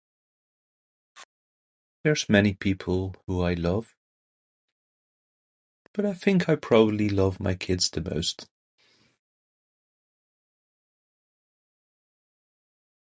There's many people who I love, but I think I probably love my kids the most.